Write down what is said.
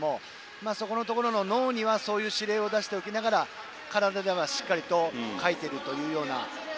そこのところの脳にはそういう指令を出しながら体は、しっかりとかいているというような。